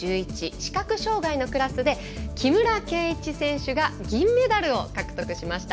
視覚障がいのクラスで木村敬一選手が銀メダルを獲得しました。